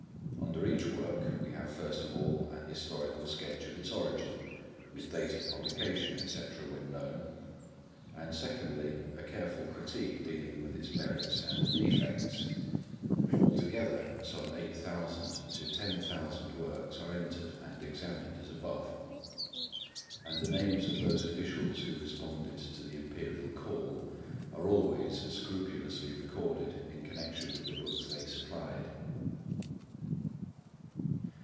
Under each work we have first of all an historical sketch of its origin, with date of publication, etc., when known; and secondly, a careful critique dealing with its merits and defects. All together, some eight thousand to ten thousand works are entered and examined as above, and the names of those officials who responded to the Imperial call are always scrupulously recorded in connection with the books they supplied.